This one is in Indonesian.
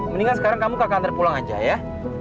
mendingan sekarang kamu ke kantor pulang aja ya